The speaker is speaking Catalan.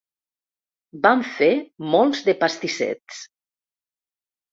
Van fer molts de pastissets